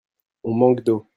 On manque d'eau.